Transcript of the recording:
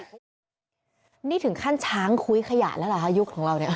นี่ถึงขั้นช้างคุ้ยขยะแล้วเหรอคะยุคของเราเนี่ย